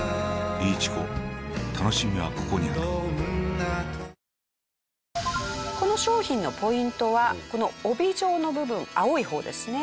「ｄプログラム」この商品のポイントはこの帯状の部分青い方ですね。